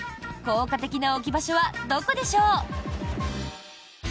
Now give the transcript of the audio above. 効果的な置き場所はどこでしょう？